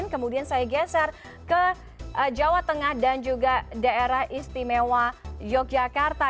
kemudian saya geser ke jawa tengah dan juga daerah istimewa yogyakarta